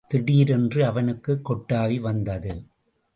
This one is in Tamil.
திடீரென்று அவனுக்குக் கொட்டாவி வந்தது.